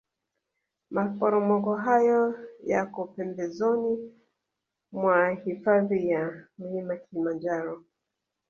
maporomoko hayo yako pembezoni mwa hifadhi ya mlima Kilimanjaro